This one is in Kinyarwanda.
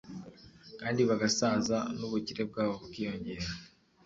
kandi bagasaza, n'ubukire bwabo bukiyongera